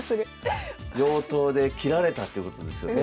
妖刀で切られたっていうことですよね。